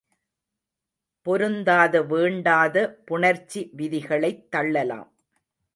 பொருந்தாத வேண்டாத புணர்ச்சி விதிகளைத் தள்ளலாம்.